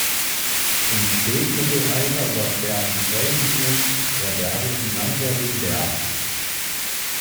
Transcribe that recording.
Im Spätmittelalter überquerten zwei Linien der Bergischen Landwehr den Berg.